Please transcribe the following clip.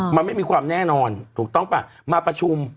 มันไม่มีความแน่นอนถูกต้องป่ะมาประชุม